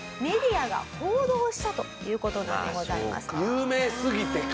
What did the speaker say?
有名すぎてか。